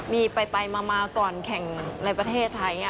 มีไปมาก่อนแข่งในประเทศไทย